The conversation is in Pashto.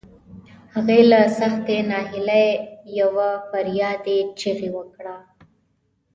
هغې له سختې ناهيلۍ يوه فریادي چیغه وکړه.